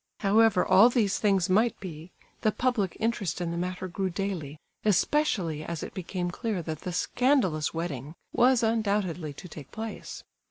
However all these things might be, the public interest in the matter grew daily, especially as it became clear that the scandalous wedding was undoubtedly to take place.